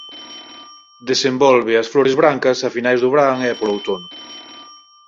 Desenvolve as flores brancas a finais do verán e polo outono.